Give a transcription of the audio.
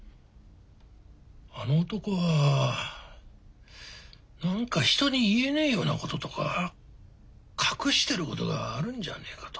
あの男は何か人に言えねえようなこととか隠してることがあるんじゃねえかと。